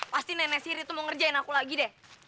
pasti nenek siri tuh mau ngerjain aku lagi deh